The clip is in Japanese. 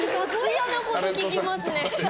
嫌なこと聞きますね。